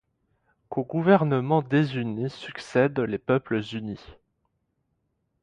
Qu'aux gouvernements désunis succèdent les peuples unis.